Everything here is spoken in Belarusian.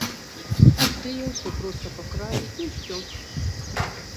Тыя ўсё проста пакралі і ўсё!